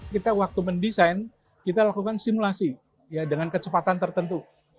kita waktu mendesain kita lakukan simulasi ya dengan kecepatan tertentu